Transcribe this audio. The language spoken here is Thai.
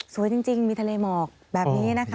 สวยจริงมีทะเลหมอกแบบนี้นะคะ